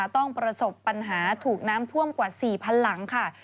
ต้องประสบปัญหาถูกน้ำท่วมกว่า๔๐๐๐หลังค่ะ